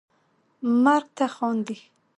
مرګ ته خاندي